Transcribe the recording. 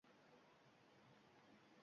Sohibjamol ayol bor edi yana.